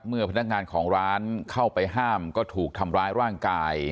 พนักงานของร้านเข้าไปห้ามก็ถูกทำร้ายร่างกาย